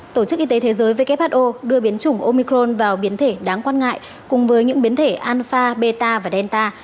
tổ chức y tế thế giới who đưa biến chủng omicron vào biến thể đáng quan ngại cùng với những biến thể anfa beta và delta